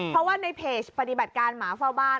เพราะว่าในเพจปฏิบัติการหมาเฝ้าบ้าน